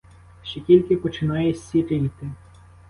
Ще тільки починає сіріти.